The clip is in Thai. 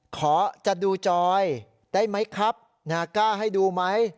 ขอจะดูจอยได้ไหมครับนากล้าให้ดูไหม